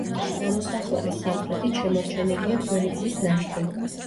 ნამოსახლარის სამხრეთით შემორჩენილია ძველი გზის ნაშთი.